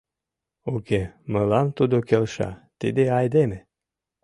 Уке, мылам тудо келша, тиде айдеме!